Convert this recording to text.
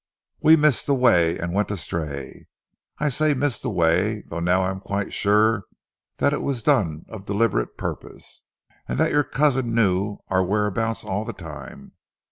"We missed the way, and went astray, I say missed the way, though now I am quite sure that it was done of deliberate purpose, and that your cousin knew our whereabouts all the time.